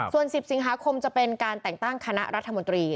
ส่วน๑๐สิงหาคมจะเป็นการแต่งตั้งคณะรัฐมนตรี